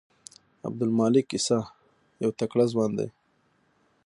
عبدالمالک عاصي یو تکړه ځوان دی.